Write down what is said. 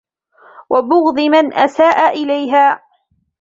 وَبُغْضِ مَنْ أَسَاءَ إلَيْهَا